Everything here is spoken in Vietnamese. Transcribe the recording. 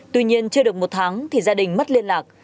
tuy nhiên chưa được một tháng thì gia đình mất liên lạc